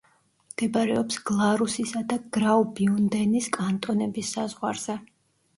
მდებარეობს გლარუსისა და გრაუბიუნდენის კანტონების საზღვარზე.